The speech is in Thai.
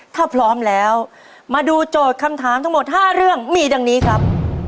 ถ้าพร้อมแล้วมาดูโจทย์คำถามทั้งหมด๕เรื่องมีดังนี้ครับ